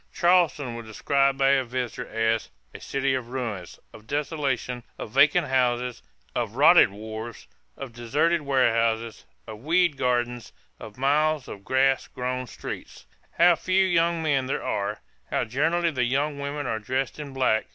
Charleston was described by a visitor as "a city of ruins, of desolation, of vacant houses, of rotten wharves, of deserted warehouses, of weed gardens, of miles of grass grown streets.... How few young men there are, how generally the young women are dressed in black!